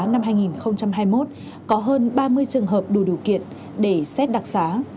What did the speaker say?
năm hai nghìn hai mươi một có hơn ba mươi trường hợp đủ điều kiện để xét đặc xá